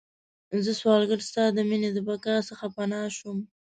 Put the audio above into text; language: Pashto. زه سوالګره ستا د میینې، د بقا څخه پناه شوم